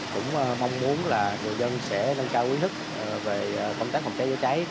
cũng mong muốn là người dân sẽ nâng cao ý thức về công tác phòng cháy chữa cháy